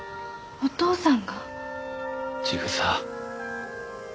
お父さん。